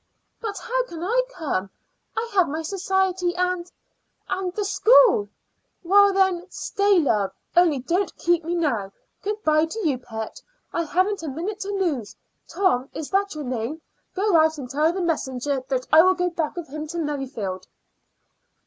"But how can I come? I have my society and and the school." "Well, then, stay, love; only don't keep me now. Good bye to you, pet; I haven't a minute to lose Tom is that your name? go out and tell the messenger that I will go back with him to Merrifield."